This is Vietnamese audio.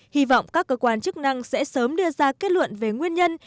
hy vọng các cơ quan chức năng sẽ sớm đưa ra kết luận về nguyên nhân